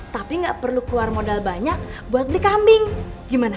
tapi nggak perlu keluar modal banyak buat beli kambing gimana